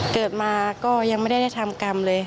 เกิดมาก็ยังไม่ได้ได้ทำกรรมเลย